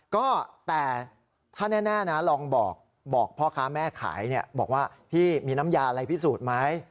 ก็แต่ถ้าแน่นะลองบอกพ่อค้าแม่ขายบอกว่าพี่มีน้ำยาอะไรพิสูจน์ไหม